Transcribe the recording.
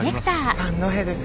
三戸です。